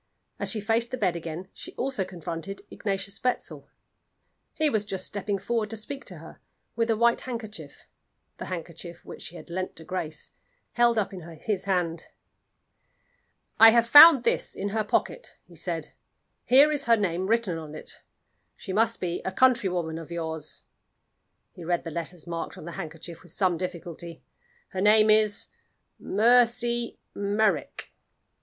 As she faced the bed again she also confronted Ignatius Wetzel. He was just stepping forward to speak to her, with a white handkerchief the handkerchief which she had lent to Grace held up in his hand. "I have found this in her pocket," he said. "Here is her name written on it. She must be a countrywoman of yours." He read the letters marked on the handkerchief with some difficulty. "Her name is Mercy Merrick."